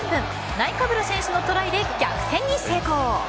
ナイカブラ選手のトライで逆転に成功。